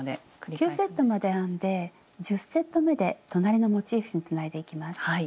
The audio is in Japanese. ９セットまで編んで１０セットめで隣のモチーフにつないでいきます。